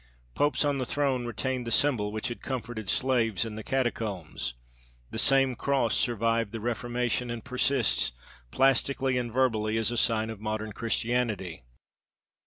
Popes on the throne retained the symbol which had comforted slaves in the Catacombs. The same cross survived the Reformation and persists, plastically and verbally, as the sign of modern Christianity.